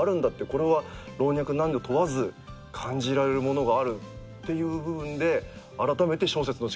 これは老若男女問わず感じられるものがあるっていう部分で。